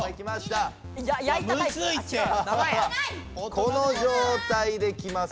この状態で来ます。